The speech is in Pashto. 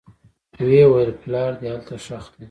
ويې ويل پلار دې هلته ښخ دى.